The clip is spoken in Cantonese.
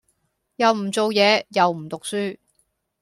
又唔做嘢又唔讀書